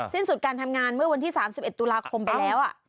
สิ้นสุดการทำงานเมื่อวันที่๓๑ตุลาคมไปแล้ว